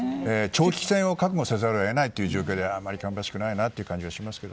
長期戦を覚悟せざるを得ない状況であまり芳しくない感じがしますが。